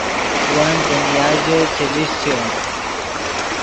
ون دنیا ژے چے لیشچے